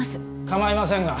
構いませんが。